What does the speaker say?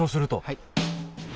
はい。